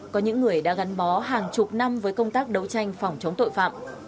có những người đã gắn bó hàng chục năm với công tác đấu tranh phòng chống tội phạm